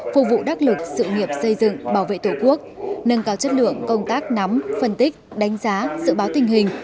phục vụ đắc lực sự nghiệp xây dựng bảo vệ tổ quốc nâng cao chất lượng công tác nắm phân tích đánh giá dự báo tình hình